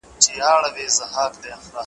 زموږ یې خټه ده اغږلې له تنوره ,